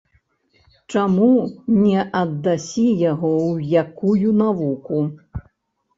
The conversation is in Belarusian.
Чаму не аддасі яго ў якую навуку?